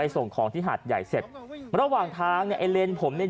ส่งของที่หาดใหญ่เสร็จระหว่างทางเนี่ยไอ้เลนผมเนี่ย